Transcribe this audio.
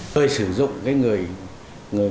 tôi sử dụng người lái xe đấy cũng phải chú ý